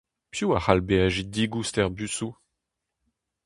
Piv a c'hall beajiñ digoust er busoù ?